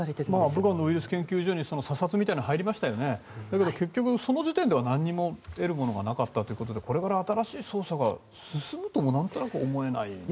武漢のウイルス研究所に査察が入りましたがだけど結局、その時点では何も得るものがなかったということでこれから新しい捜査が進むとも思えないんですよね。